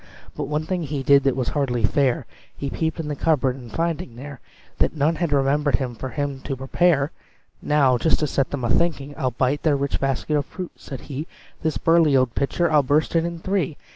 But one thing he did that was hardly fair He peeped in the cupboard, and finding there That none had remembered for him to prepare, "Now, just to set them a thinking, I'll bite their rich basket of fruit," said he, "This burly old pitcher I'll burst it in three!